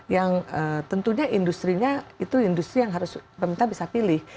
yang tentunya industri nya itu industri yang harus pemerintah bisa pilih